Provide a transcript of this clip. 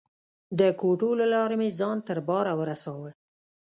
د کوټو له لارې مې ځان تر باره ورساوه.